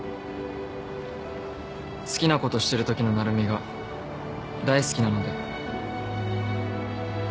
好きなことしてるときの成海が大好きなので。